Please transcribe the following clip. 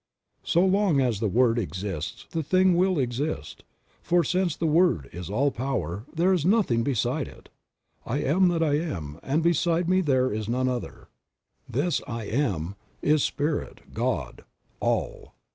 So long as the Word exists the thing will exist, for since the Word is All Power there is nothing beside It. "I Am that I Am, and beside me there is none other." This "I Am" is Spirit, God, All.